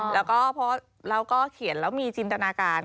แล้วก็เพราะเราก็เขียนแล้วมีจินตนาการ